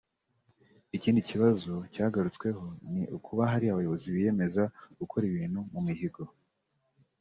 Ikindi kibazo cyagarutsweho ni ukuba hari abayobozi biyemeza gukora ibintu mu mihigo